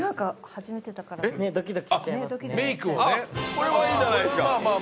これはいいじゃないですか。